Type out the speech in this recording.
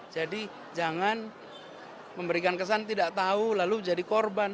jadi jangan memberikan kesan tidak tahu lalu jadi korban